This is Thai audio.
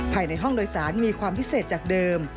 ภายในห้องโดยสารมีความพิเศษจากเดิม